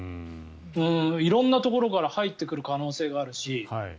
色んなところから入ってくる可能性があるし。